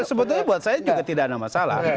sebetulnya buat saya juga tidak ada masalah